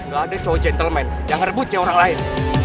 gak ada cowok gentleman yang ngerebut cewek orang lain